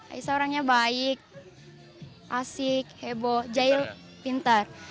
aisyah orangnya baik asik heboh jail pintar